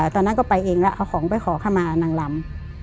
ตอนนั้นก็ไปเองแล้วเอาของไปขอเข้ามานางลำ